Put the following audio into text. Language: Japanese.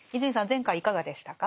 前回いかがでしたか？